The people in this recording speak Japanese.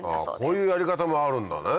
こういうやり方もあるんだね。